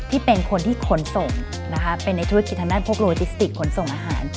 เป็นคนที่ขนส่งนะคะเป็นในธุรกิจทางด้านพวกโลจิสติกขนส่งอาหาร